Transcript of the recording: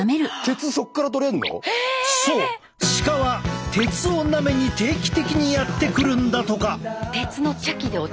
そう鹿は鉄をなめに定期的にやって来るんだとか。